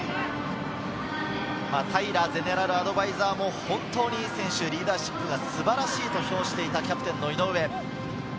平ゼネラルアドバイザーも本当にいい選手、リーダーシップが素晴らしいと評していたキャプテン・井上。